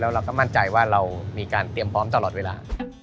เราก็มั่นใจว่าเรามีการเตรียมพร้อมตลอดเวลา